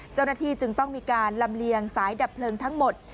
เจ้าหน้าที่จึงต้องมีการลำเลียงสายดับเพลิงทั้งหมด